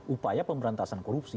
upaya pemberantasan korupsi